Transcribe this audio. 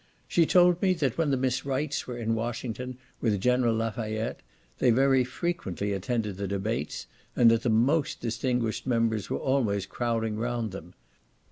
She told me, that when the Miss Wrights were in Washington, with General Lafayette, they very frequently attended the debates, and that the most distinguished members were always crowding round them.